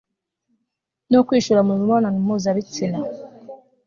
no kwishora mu mibonano mpuzabitsina